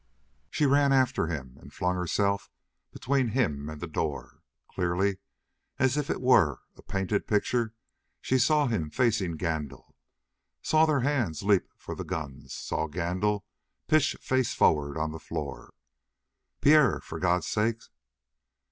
She ran after him and flung herself between him and the door. Clearly, as if it were a painted picture, she saw him facing Gandil saw their hands leap for the guns saw Gandil pitch face forward on the floor. "Pierre for God's sake!"